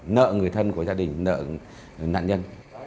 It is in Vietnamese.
nợ người thân của gia đình nợ nạn nhân